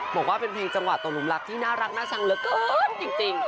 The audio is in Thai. บอกว่าเป็นเพลงจังหวะตกหลุมลับที่น่ารักน่าชังเหลือเกินจริง